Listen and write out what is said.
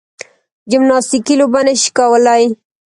جمناستیکي لوبه نه شي کولای.